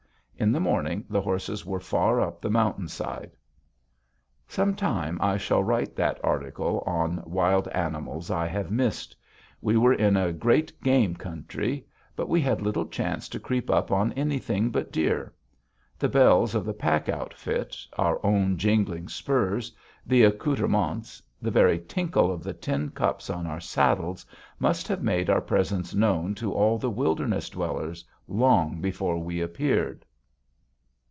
In the morning, the horses were far up the mountain side. Sometime I shall write that article on "Wild Animals I Have Missed." We were in a great game country. But we had little chance to creep up on anything but deer. The bells of the pack outfit, our own jingling spurs, the accouterments, the very tinkle of the tin cups on our saddles must have made our presence known to all the wilderness dwellers long before we appeared.